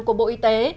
của bộ y tế